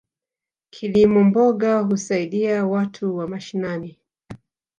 Kilimo mboga husaidia watu wa mashinani.